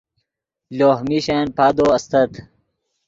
لوہ میشن پادو استت